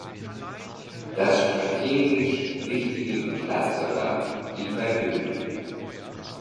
Das strategisch wichtige Glatzer Land blieb bei Böhmen.